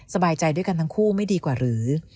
สบายใจด้วยกันทั้งคู่ไม่ดีกว่าหรือ